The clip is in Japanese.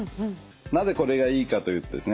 なぜこれがいいかというとですね